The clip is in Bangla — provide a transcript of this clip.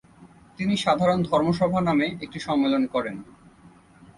তিনি সাধারণ ধর্মসভা নামে এক সম্মেলন করেন।